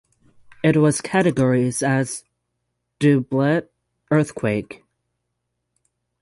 It was categories as doublet earthquake.